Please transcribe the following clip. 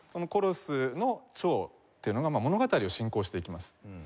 コロスの長っていうのが物語を進行していきます。